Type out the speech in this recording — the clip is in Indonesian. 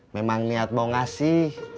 memang niat mau kasih